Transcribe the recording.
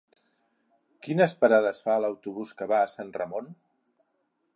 Quines parades fa l'autobús que va a Sant Ramon?